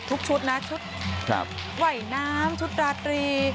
ชุดนะชุดว่ายน้ำชุดราตรี